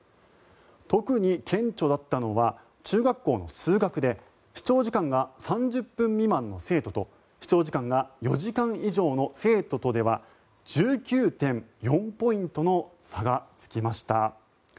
特に顕著だったのは中学校の数学で視聴時間が３０分未満の生徒と視聴時間が４時間以上の生徒とでは１９．４ポイントの差がつきました。